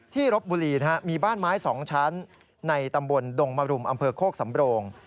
รบบุรีมีบ้านไม้๒ชั้นในตำบลดงมรุมอำเภอโคกสำโรง